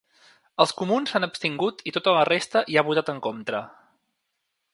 Els comuns s’han abstingut i tota la resta hi ha votat en contra.